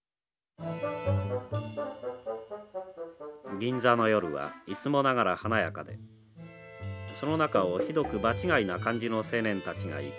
「銀座の夜はいつもながら華やかでその中をひどく場違いな感じの青年たちが行く」。